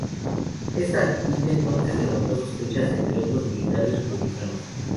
Esta actitud ya entonces levantó sospechas entre otros militares republicanos.